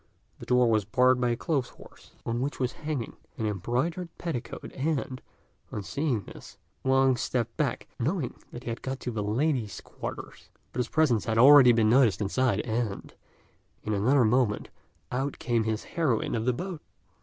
The door was barred by a clothes horse, on which was hanging an embroidered petticoat; and, on seeing this, Wang stepped back, knowing that he had got to the ladies' quarters; but his presence had already been noticed inside, and, in another moment, out came his heroine of the boat.